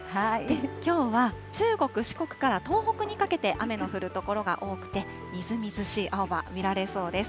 きょうは中国、四国から東北にかけて雨の降る所が多くて、みずみずしい青葉、見られそうです。